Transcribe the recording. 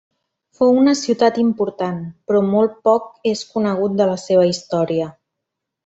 Fou una ciutat important, però molt poc és conegut de la seva història.